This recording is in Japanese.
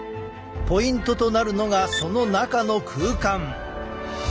ポイントとなるのがその中の空間。